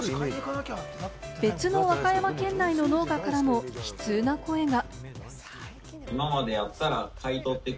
別の和歌山県内の農家からも悲痛の声が。